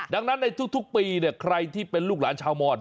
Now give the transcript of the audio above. ดังนั้นในทุกปีใครที่เป็นลูกหลานชาวมอน